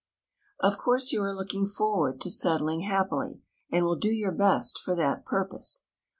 Of course you are looking forward to settling happily, and will do your best for that purpose.